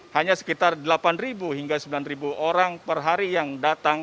hanya sekitar delapan hingga sembilan orang per hari yang datang